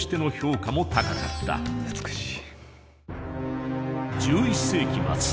美しい。